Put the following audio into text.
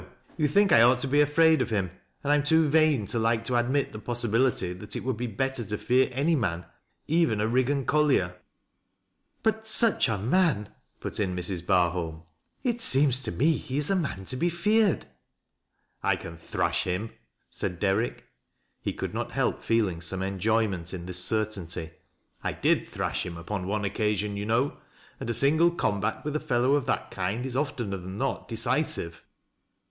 You think I ought to be afraid of him, and 1 am too vain to like to admit the possibility that it would be better to fear any man, even a Riggan collier." " But such a man !" put in Mrs. Barholm. " It ^eoms to me he is a man to be feared." " I cai. thrash him," said Derrick. He could not help feeling some enjoyment in this certainty. "I did thraah him upon one occasion, you know, and a single comba* with a fellow of that kind is ofteuer than not decisive."